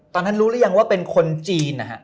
ตอนนั้นรู้หรือยังว่าเป็นคนจีนนะฮะ